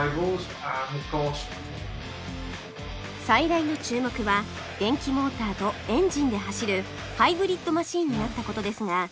最大の注目は電気モーターとエンジンで走るハイブリッドマシンになった事ですが